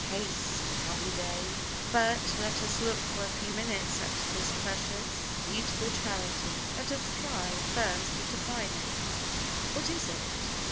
Haste, happy day! But, let us look for a few minutes at this precious, beautiful Charity. Let us try, first, to define it. What is it?